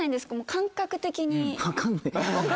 感覚的に。